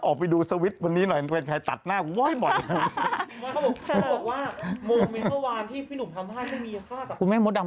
ออกไปดูสวิตช์วันนี้หน่อยใครตัดหน้าว่าให้บอกอย่างนั้น